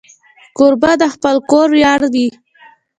کوربه د خپل کور ویاړ وي.